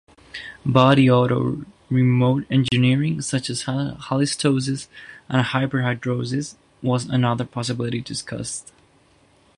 Body odor remote-engineering, such as halitosis and hyperhidrosis, was another possibility discussed.